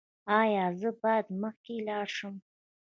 ایا زه باید مخکې لاړ شم؟